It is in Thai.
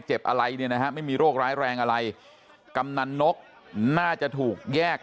อะไรเนี่ยนะฮะไม่มีโรคร้ายแรงอะไรกำนันนกน่าจะถูกแยก